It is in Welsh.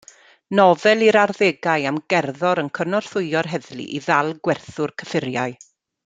Nofel i'r arddegau am gerddor yn cynorthwyo'r heddlu i ddal gwerthwr cyffuriau.